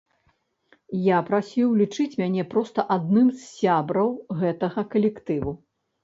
Я прасіў лічыць мяне проста адным з сябраў гэтага калектыву.